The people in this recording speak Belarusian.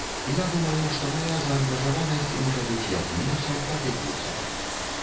Я думаю што мая заангажаванасць можа быць як мінусам так і плюсам.